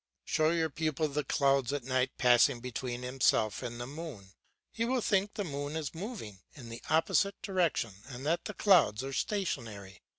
Show your pupil the clouds at night passing between himself and the moon; he will think the moon is moving in the opposite direction and that the clouds are stationary.